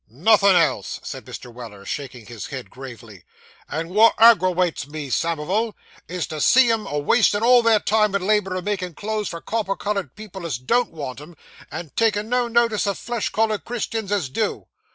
'Nothin' else,' said Mr. Weller, shaking his head gravely; 'and wot aggrawates me, Samivel, is to see 'em a wastin' all their time and labour in making clothes for copper coloured people as don't want 'em, and taking no notice of flesh coloured Christians as do.